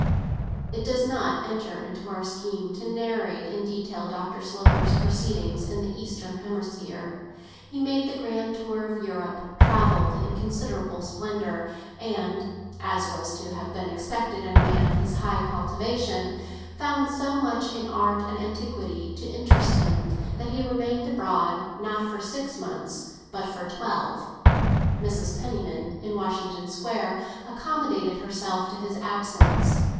It does not enter into our scheme to narrate in detail Dr. Sloper's proceedings in the eastern hemisphere. He made the grand tour of Europe, travelled in considerable splendour, and (as was to have been expected in a man of his high cultivation) found so much in art and antiquity to interest him, that he remained abroad, not for six months, but for twelve. Mrs. Penniman, in Washington Square, accommodated herself to his absence.